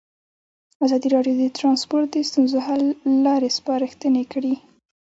ازادي راډیو د ترانسپورټ د ستونزو حل لارې سپارښتنې کړي.